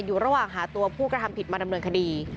อยู่ระหว่างหาตัวผู้กระทำผิดมาดำเนินคดี